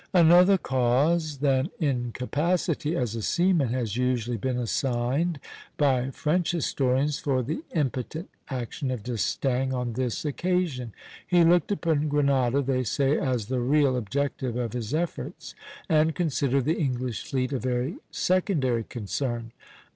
" Another cause than incapacity as a seaman has usually been assigned by French historians for the impotent action of D'Estaing on this occasion. He looked upon Grenada, they say, as the real objective of his efforts, and considered the English fleet a very secondary concern.